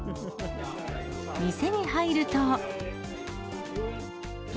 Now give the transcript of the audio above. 店に入ると。